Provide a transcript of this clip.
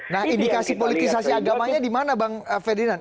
nah indikasi politisasi agamanya di mana bang ferdinand